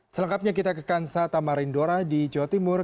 selengkapnya kita ke kansa tamarindora di jotimur